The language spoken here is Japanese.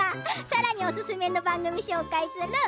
さらにおすすめの番組、紹介する。